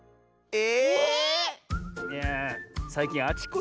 え？